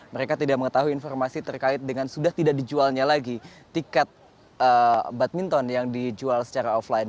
mereka tidak mengetahui informasi terkait dengan sudah tidak dijualnya lagi tiket badminton yang dijual secara offline